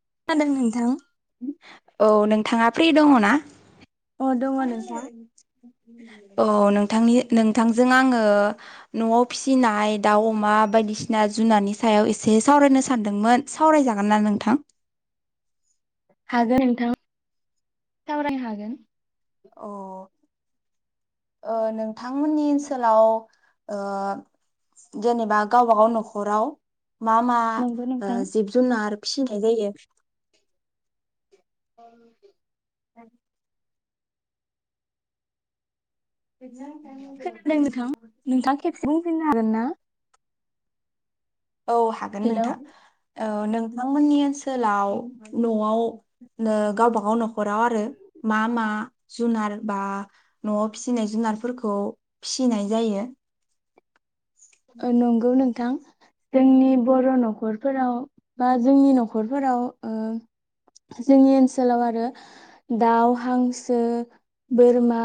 [unintelligible] नोंथां? औ नोंथाङा फ्रि दङ ना? अ दङ नोंथां। औ नोंथांनि नोंथांजों आङो न'वाव फिसिनाय दाउ अमा बायदिसिना जुनारनि सायाव एसे सावरायनो सानदोंमोन सावरायजागोन ना नोंथां? हागोन नोंथां सावरायनो हागोन। अह। ओ नोंथांमोननि ओन सोलाव ओ जेनेबा गावबागाव न'खराव मा मा नंगौ ओ नोंथां। जिब जुनार फिसिनाय जायो? [inaudible] [inaudible] खोनादों नोंथां नोंथां खेबसे बुंफिननो हागोन ना? औ हागोन हेलौ नोंथा। औ नोंथांमोननि ओनसोलाव न'वाव नो गावबागाव न'खराव आरो मा मा जुनार बा न'वाव फिसिनाय जुनारफोरख खौ फिसिनाय जायो? ओ नंगौ नोंथां जोंनि बर' न'खरफोराव बा जोंनि न'खरफोराव ओ जोंनि ओनसोलाव आरो दाउ, हांसो, बोरमा,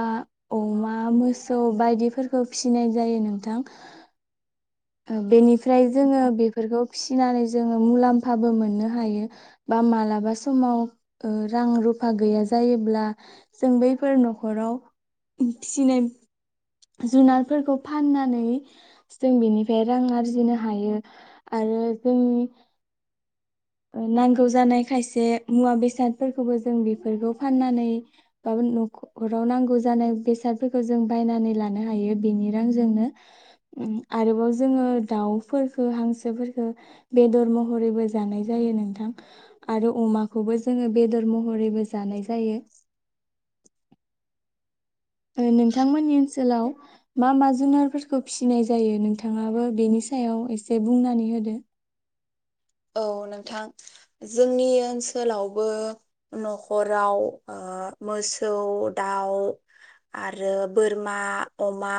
अमा, मोसौ बायदिफोरखौ फिसिनाय जायो नोंथां। ओ बेनि फ्राय जोङो बेफोरखौ फिसिनानै जोङो मुलाम्फाबो मोननो हायो बा मालाबा समाव ओ रां रुफा गैया जायोब्ला जों बैफोर न'खराव फिसिनाय जुनारफोरखौ फाननानै जों बेनि फे रां आरजिनो हायो आरो जोंनि ओ नांगौ जानाय खायसे मुवा बेसादफोरखौबो जों बेफोरखौ फाननानैबाबो न'खराव नांगौ जानाय बेसादफोरखौ जों बायनानै लानो हायो बेनि रांजोंनो। उम आरोबाव जोङो दाउफोरखो हांसोफोरखो बेदर महरैबो जानाय जायो नोंथां आरो अमाखौबो जोङो बेदर महरैबो जानाय जायो। ओ नोंथांमोननि ओनसोलाव मा मा जुनारफोरखौ फिसिनाय जायो नोंथाङाबो बेनि सायाव एसे बुंनानै होदो। औ नोंथां जोंनि ओनसोलावबो नखराव ओ मोसौ, दाउ आरो बोरमा, अमा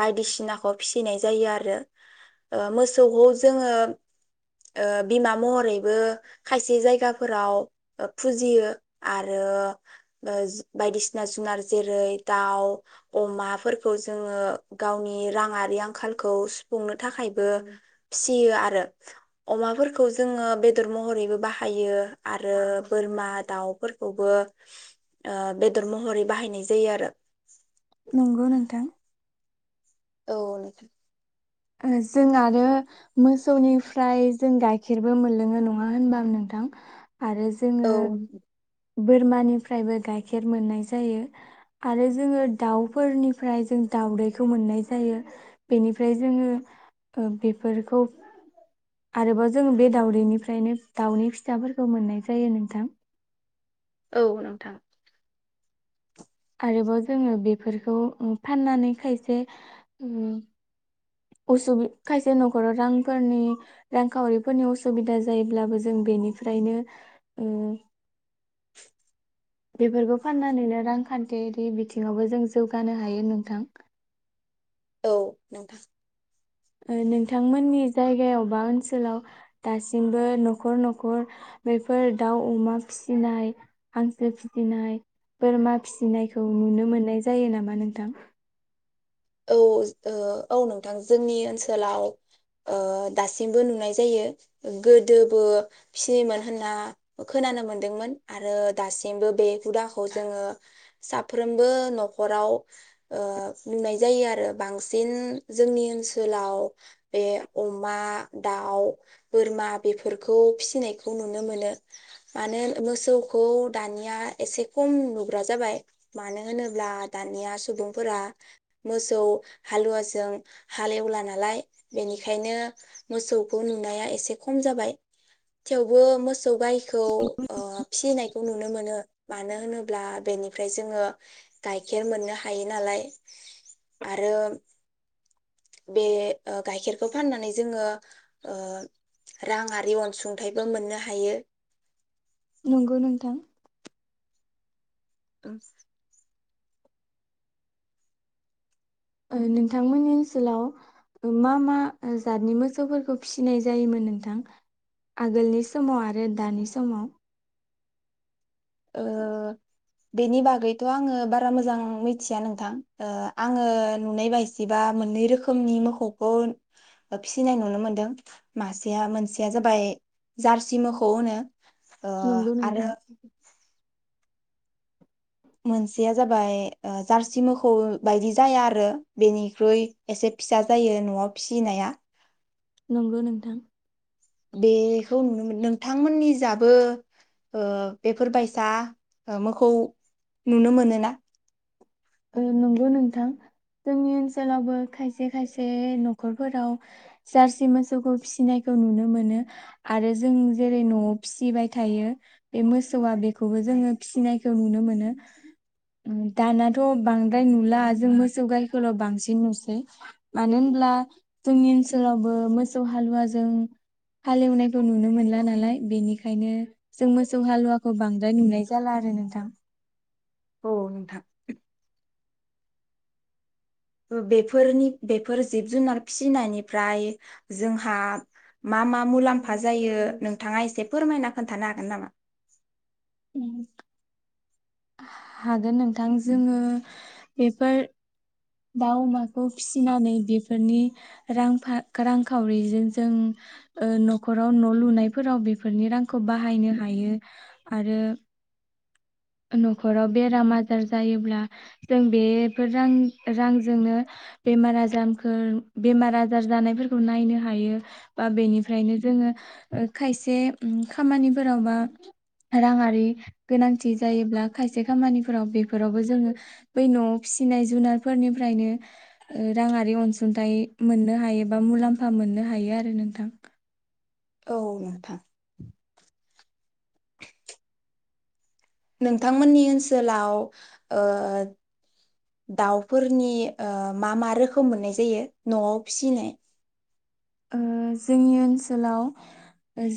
बायदिसिनाखौ फिसिनाय जायो आरो ओ मोसौखौ जोङो ओ बिमा महरैबो खायसे जायगाफोराव ओ‌ फुजियो आरो ओ बायदिसिना जुनार जेरै दाउ, अमाफोरखौ जोङो गावनि राङारि आंखालखौ सुफुंनो थाखायबो फिसियो आरो। अमाफोरखौ जोङो बेदर महरैबो बाहायो आरो बोरमा दाउफोरखौबो ओ बेदर महरै बाहायनाय जायो आरो। नंगौ नोंथां। औ। ओ जों आरो मोसौनिफ्राय जों गायखेर खेरबो मोनलोङो नङा होनबा नोंथां। आरो औ जोंङो बोरमानिफ्रायबो गायखेर मोननाय जायो आरो जोंङो दाउफोरनिफ्राय जों दाउदैखौ मोननाय जायो बेनिफ्राय जोंङो बेफोरखौ आरोबाव जोंङो बे दाउदैनिफ्रायनो दाउनि फिसाफोरखौ मोननाय जायो नोंथां। औ नोंथां। आरोबाव जोङो बेफोरखौ फाननानै खायसे असु खायसे नखराव रांफोरनि रांखावरिफोरनि असुबिदा जायोब्लाबो जों बेनिफ्रायनो उम बेफोरखौ फाननानैनो रांखान्थियारि बिथिङावबो जों जौगानो हायो नोंथां। औ नोंथां। ओ नोंथांमोननि जायगायाव बा ओनसोलाव दासिमबो नखर नखर बेफोर दाउ अमा फिसिनाय हांसो फिसिनाय बोरमा फिसिनायखौ नुनो मोननाय जायो नामा नोंथां। औ ज ओ औ नोंथां जोंनि ओनसोलाव ओ दासिमबो नुनाय जायो गोदोबो फियोमोन होनना खोनानो मोनदोंमोन आरो दासिमबो बे हुदाखौ जोङो साफ्रोमबो नखराव ओ नुनाय जायो आरो बांसिन जोंनि ओनसोलाव बे अमा दाउ बोरमा बेफोरखौ फिनायखौ नुनो मोनो मानो होनो मोसौखौ दानिया एसे खम नुग्रा जाबाय मानो होनोब्ला दानिया सुबुंफोरा मोसौ हालुवाजों हाल एवला नालाय बेनिखायनो मोसौखौ नुनाया एसे खम जाबाय थेवबो मोस मोसौ गाइखौ ओ फिनाय नुनो मोनो मानो होनोब्ला बेनिफ्राय जोङो गाइखेर मोननो हायो नालाय। आरो बे ओ गाइखेरखौ फाननानै जोङो ओ रांआरि अनसुंथाइबो मोननो हायो। नंगौ नोंथां। ओं ओ नोंथांमोननि ओनसोलाव मा मा जातनि मोसौफोरखौ फिनाय जायोमोन नोंथां आगोलनि समाव आरो दानि समाव? ओ बेनि बागैथ आङो बारा मोजां मिथिया नोंथां ओ आङो नुनाय बायसिबा मोननै रोखोमनि मोखौखौ फिसिनाय नुनो मोनदों मासेया मोनसेया जाबाय जार्सि मोखौ होनो। ओ नंगौ आरो नोंथां। मोनसेया जाबाय ओ जार्सि मोखौ बायदि जाया आरो बेनिख्रुइ एसे फिसा जायो नआव फिसिनाया। नंगौ नोंथां। बेखौ नुनो मोन नोंथांमोननि जाबो ओ बेफोर बायसा मोखौ नुनो मोनोना? ओ नंगौ नोंथां जोंनि ओनसोलावबो खायसे खायसे नखरफोराव जार्सि मोसौखौ फिसिनायखौ नुनो मोनो आरो जों जेरै नआव फिसिबाय थायो बे मोसौआ बेखौबो जोङो फिसिनायखौ नुनो मोनो दाना थ बांद्राय नुला जों मोसौ गायखौल बांसिन नुसै मानो होनब्ला जोंनि ओनसोलावबो मोसौ हालुवाजों हालेवनायखौ नुनो मोनला नालाय बेनिखायनो। जों मोसौ हालुवाखौ बां नाय नुनाय जाला आरो नोंथां। औ नोंथां। ओ बेफोरनि बेफोर जिब जुनार फिसिनायनिफ्राय जोंहा मा मा मुलाम्फा जायो नोंथाङा एसे फोरमायना खोन्थानो हागोन नामा? उम। हागोन नोंथां जोङो बेफोर दाउ अमाखौ फिसिनानै बेफोरनि रांफा रांखावरिजों जों ओ नखराव न लुनायफोराव बेफोरनि रांखौ बाहायनो हायो आरो नखराव बेराम आजार जायोब्ला जों बेफोर रां रांजोंनो बेमार आजारफोर बेमार आजार जानायफोरखौ नायनो हायो बा बेनिफ्रायनो जोङो ओ खायसे खामानिफोराव बा राङारि गोनां थि जायोब्ला खायसे खामानिफोराव बेफोरावबो जोङो बै नआव फिसिनाय जुनारफोरनिफ्रायनो ओ राङारि अनसुंथाइ मोननो हायोबा मुलाम्फा मोननो हायो आरो नोंथां। औ नोंथां। नोंथांमोननि ओनसोलाव ओ दाउफोरनि ओ मा मा रोखोम मोननाय जायो नआव फिसिनाय? ओ जोंनि ओनसोलाव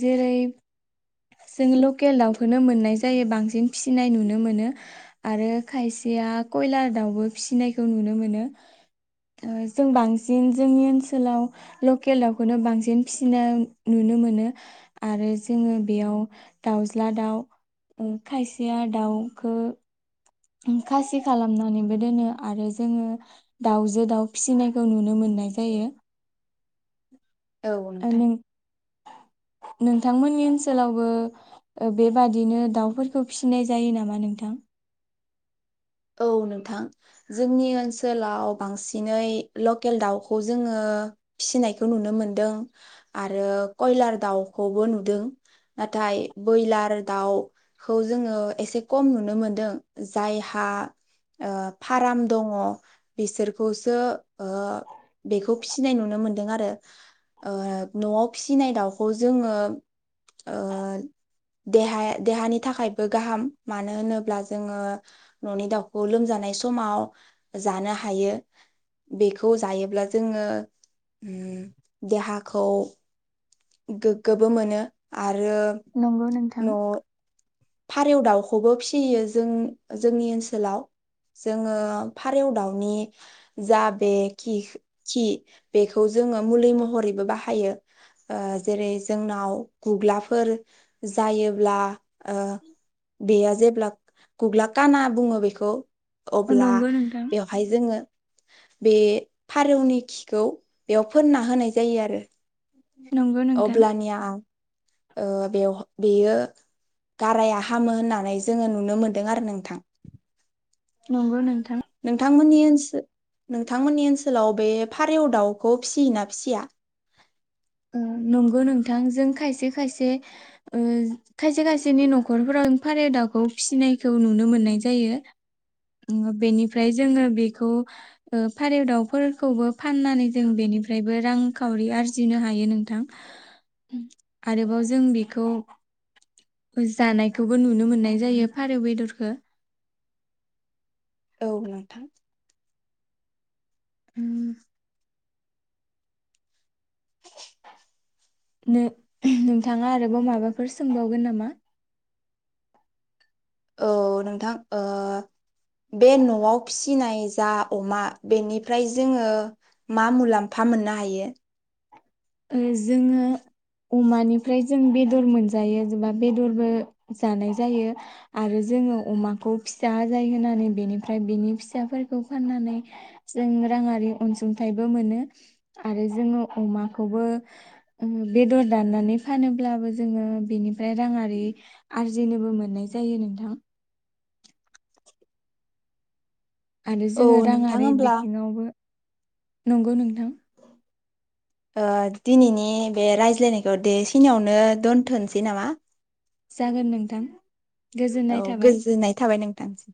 जेरै जों लकेल दाउखौनो मोननाय जायो बांसिन फिनाय नुनो मोनो आरो खायसेया कयलार दाउबो फिनायखौ नुनो मोनो जों बांसिन जोंनि ओनसोलाव लकेल दाउखौनो बांसिन फिनाय नुनो मोनो आरो जोङो बेयाव दाउज्ला दाउ खायसेया दाउखो खासि खालामनानैबो दोनो आरो जोङो दाउजो दाउ फिनायखौ नुनो मोननाय जायो। औ ओ नोंथां। नों नोंथांमोननि ओनसोलावबो बेबादिनो दाउफोरखौ फिनाय जायो नामा नोंथां? औ नोंथां जोंनि ओनसोलाव बांसिनै लकेल दाउखौ जोङो फिसिनायखौ नुनो मोनदों आरो कयलार दाउखौबो नुदों नाथाय बयलार दाउखौ जोङो एसे खम नुनो मोनदों जायहा ओ फाराम दङ बिसोरखौसो ओ बेखौ फिसिनाय नुनो मोनदों आरो न'आव फिसिनाय दाउखौ जोङो ओ देहा देहानि थाखायबो गाहाम मानो होनोब्ला जोङो ननि दाउखौ लोमजानाय समाव जानो हायो बेखौ जायोब्ला जोङो देहा खौ गोग्गोबो मोनो आर आरो नंगौ नोंथां। न' फारौ दाउखौबो फिसियो जों-जोंनि ओनसोलाव जोङो फारौ दाउनि जा बे खि खि बेखौ जोङो मुलि महरैबो बाहायो जेरै जोंनाव गुग्लाफोर जायोब्ला ओ बेया जेब्ला गुग्ला खाना बुङो बेखौ अब्ला नंगौ नोंथां बेवहाय जोङो बे फारौनि खिखौ बेयाव फोनना होनाय जायोआरो नंगौ नोंथां अब्लानिया ओ बेयाव बेयो गाराया हामो होननानै जोङो नुनो मोनदों आरो नोंथां नंगौ नोंथां नोंथांमोननि ओनसो नोंथांमोननि ओनसोलाव बे फारेव दाउखौ फिसियोना फिसिया ओ नंगौ नोंथां जों खायसे खायसे ओ खायसे खायसेनि नखरफोराव फारेव दाउखौ फिसिनायखौ नुनो मोननाय जायो बेनिफ्राय जोङो बेखौ ओ फारौ दाउफोरखौबो फाननानै जों बेनिफ्रायबो रांखावरि आरजिनो हा यो नोंथां आरोबाव जों बेखौ जानायखौबो नुनो मोननाय जायो फारौ बेदरखो औ नोंथां उम नो-नोंथाङा आरोबाव माबाफोर सोंबावगोन नामा औ नोंथां ओ बे न'आव फिसिनाय जा अमा बेनिफ्राय जोङो मा मुलाम्फा मोननो हायो जोङो अमानिफ्राय जों बेदर मोनजायो एबा बेदरबो जानाय जायो आरो जोङो अमाखौ फिसा आजाय होनानै बेनिफ्राय बेनि फिसाफोरखौ फाननानै जों राङारि अनसुंथाइबो मोनो आरो जोङो अमा खौबो उम बेदर दाननानै फानोब्लाबो जोङो बेनिफ्राय राङारि आरजिनोबो मोननाय जायो नोंथां आरो औ जोङो नोंथां राङारि होमब्ला बिथिङावबो नंगौ नोंथां ओ दिनैनि बे रायज्लायनायखौ दे खिनियावनो दोन्थनोसै नामा जागोन नोंथां औ गोजोननाय थाबाय गोजोननाय थाबाय नों सिम